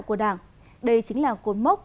không đi lính cho bác